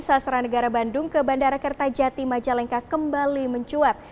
sastra negara bandung ke bandara kertajati majalengka kembali mencuat